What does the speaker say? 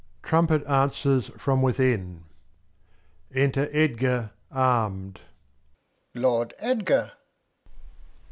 [Trumpets answers from within. Enter Edgar arm'd. Alb. Lord Edgar